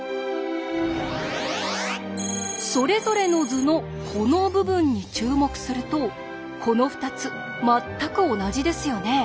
それぞれの図のこの部分に注目するとこの２つ全く同じですよね。